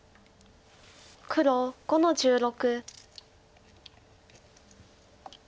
黒５の十六。